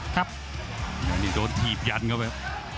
ครับนี่โดนถีบยันเข้าไป